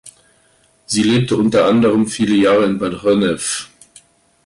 Sie lebte unter anderem viele Jahre in Bad Honnef.